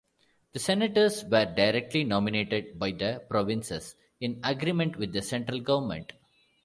The senators were directly nominated by the provinces in agreement with the central government.